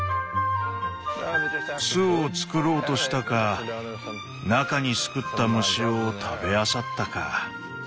巣をつくろうとしたか中に巣くった虫を食べあさったか。